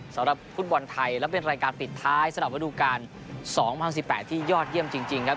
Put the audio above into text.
สำหรับฟุตบอลไทยและเป็นรายการปิดท้ายสำหรับระดูการ๒๐๑๘ที่ยอดเยี่ยมจริงครับ